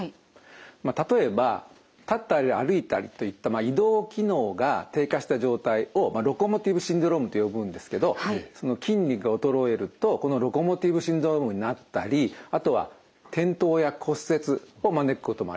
まあ例えば立ったり歩いたりといった移動機能が低下した状態をロコモティブシンドロームと呼ぶんですけど筋肉が衰えるとこのロコモティブシンドロームになったりあとは転倒や骨折を招くこともあります。